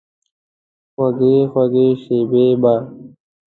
خوږې، خوږې شیبې به،